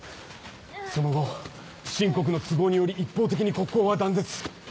その後秦国の都合により一方的に国交は断絶。